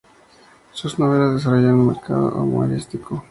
Sus novelas desarrollan un marcado homoerotismo.